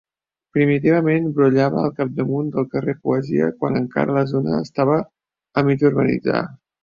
Primitivament brollava al capdamunt del carrer Poesia quan encara la zona estava a mig urbanitzar.